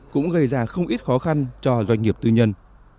cũng gây ra không ít khó khăn cho doanh nghiệp tư nhân